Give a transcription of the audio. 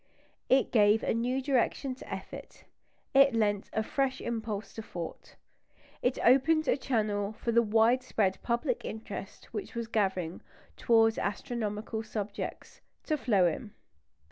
It gave a new direction to effort; it lent a fresh impulse to thought. It opened a channel for the widespread public interest which was gathering towards astronomical subjects to flow in.